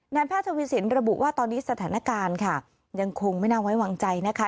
แพทย์ทวีสินระบุว่าตอนนี้สถานการณ์ค่ะยังคงไม่น่าไว้วางใจนะคะ